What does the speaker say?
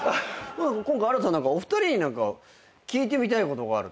今回新太さんお二人に何か聞いてみたいことがある。